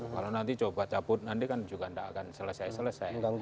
kalau nanti coba cabut nanti kan juga tidak akan selesai selesai